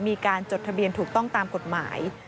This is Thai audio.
จดทะเบียนถูกต้องตามกฎหมาย